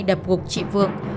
đập gục chị phượng